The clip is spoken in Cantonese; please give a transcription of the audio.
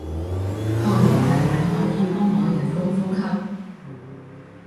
學完係咪可以幫我人工呼吸